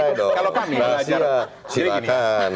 kalau kami silahkan